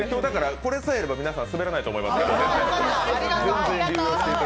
これさえあれば皆さんスベらないと思いますけどね。